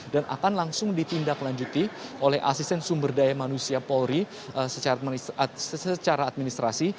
dan akan langsung ditindaklanjuti oleh asisten sumber daya manusia polri secara administrasi